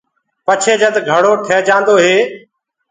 پڇي جد گھڙو تير هوجآندو هي،